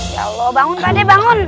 ya allah bangun badai bangun